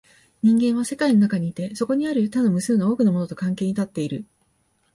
人間は世界の中にいて、そこにある他の無数の多くのものと関係に立っている。